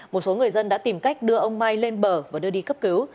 một số người dân đã tìm cách đưa ông mai lên bờ và đưa đi cấp cứu